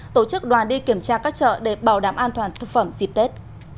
tổ chức đoàn đi kiểm tra các chợ để bảo đảm an toàn thực phẩm dịp tết